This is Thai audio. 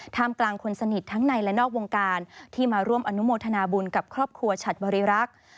มกลางคนสนิททั้งในและนอกวงการที่มาร่วมอนุโมทนาบุญกับครอบครัวฉัดบริรักษ์